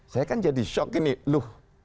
saya kan jadi shock ini loh